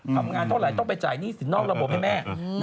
เท่าไหร่ต้องไปจ่ายหนี้สินนอกระบบให้แม่